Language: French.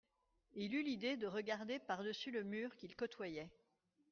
Il eut l'idée de regarder par-dessus le mur qu'il côtoyait.